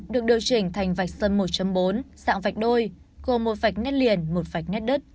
được điều chỉnh thành vạch sơn một bốn dạng vạch đôi gồm một vạch nét liền một vạch nét đất